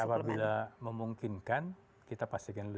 apabila memungkinkan kita pastikan